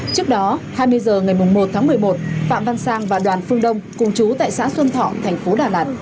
trước đó hai mươi h ngày một tháng một mươi một phạm văn sang và đoàn phương đông cùng chú tại xã xuân thọ thành phố đà lạt